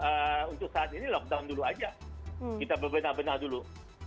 ya untuk saat ini lockdown dulu aja kita bebena bena dulu